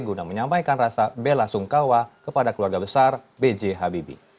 guna menyampaikan rasa bela sungkawa kepada keluarga besar b j habibie